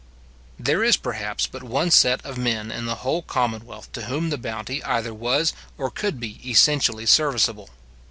There is, perhaps, but one set of men in the whole commonwealth to whom the bounty either was or could be essentially serviceable.